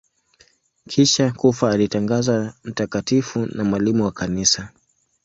Kisha kufa alitangazwa mtakatifu na mwalimu wa Kanisa.